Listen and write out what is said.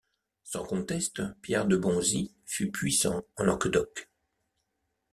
Sans conteste, Pierre de Bonzi fut puissant en Languedoc.